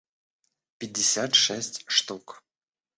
пятьдесят шесть штук